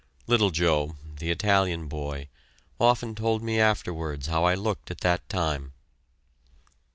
Little Joe, the Italian boy, often told me afterwards how I looked at that time.